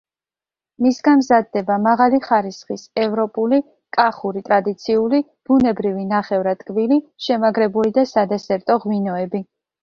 მისგან მზადდება მაღალი ხარისხის ევროპული, კახური ტრადიციული, ბუნებრივი ნახევრად ტკბილი, შემაგრებული და სადესერტო ღვინოები.